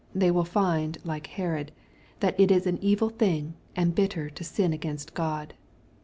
They will find, like Herod, that it is an evil thing and bitter to sin against God.